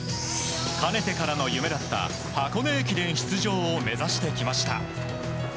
かねてからの夢だった箱根駅伝出場を目指してきました。